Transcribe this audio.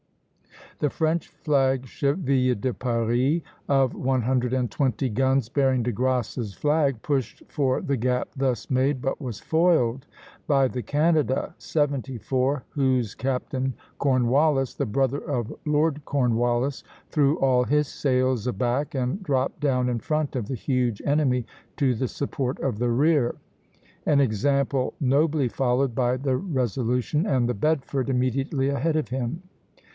The French flag ship, "Ville de Paris," of one hundred and twenty guns, bearing De Grasse's flag, pushed for the gap thus made, but was foiled by the "Canada," seventy four, whose captain, Cornwallis, the brother of Lord Cornwallis, threw all his sails aback, and dropped down in front of the huge enemy to the support of the rear, an example nobly followed by the "Resolution" and the "Bedford" immediately ahead of him (a).